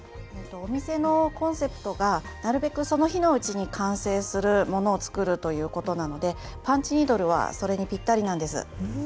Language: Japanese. お店のコンセプトがなるべくその日のうちに完成するものを作るということなのでパンチニードルはそれにピッタリなんです。